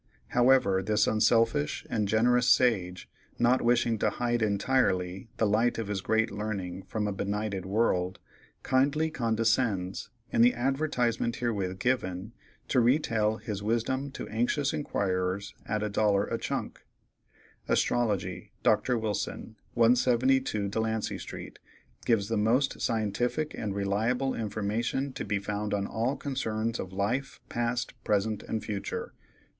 However, this unselfish and generous sage, not wishing to hide entirely the light of his great learning from a benighted world, kindly condescends, in the advertisement herewith given, to retail his wisdom to anxious inquirers at a dollar a chunk: "ASTROLOGY.—Dr. Wilson, 172 Delancey street, gives the most scientific and reliable information to be found on all concerns of life, past, present, and future.